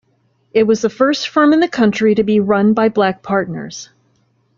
It was the first firm in the country to be run by black partners.